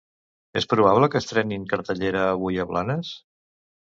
És probable que estrenin cartellera avui a Blanes?